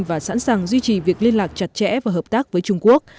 và sẵn sàng duy trì việc liên lạc chặt chẽ và hợp tác với trung quốc